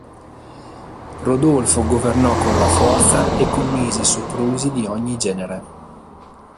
Rodolfo governò con la forza e commise soprusi di ogni genere.